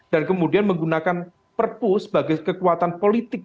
dan kemudian menggunakan perpu sebagai kekuatan politik